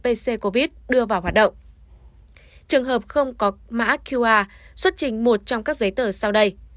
nếu sử dụng pc covid đưa vào hoạt động trường hợp không có mã qr xuất trình một trong các giấy tờ sau đây